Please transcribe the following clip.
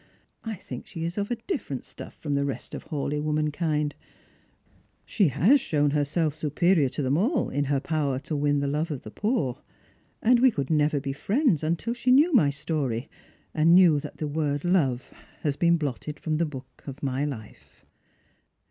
I think she is of a different stuff from the rest of Hawleigh womankind. She has shown herself superior to them all in her power to win the love of the poor. And we could never be friends until she knew my story, and knew that the word ' love ' has been blotted from the book of my Ufe."